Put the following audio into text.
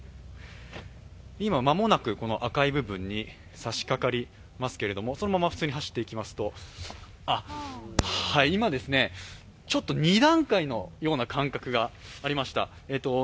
間もなく赤い部分に差しかかりますけど、そのまま普通に走っていきますとあっ、今ですね、２段階のような感覚がありました。